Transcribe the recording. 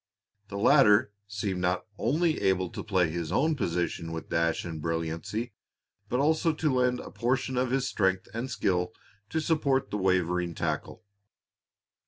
The latter seemed not only able to play his own position with dash and brilliancy, but also to lend a portion of his strength and skill to support the wavering tackle.